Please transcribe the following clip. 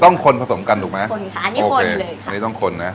ต้องคนผสมกันถูกมั้ยคนค่ะอันนี้คนเลยค่ะนี่ต้องคนนะ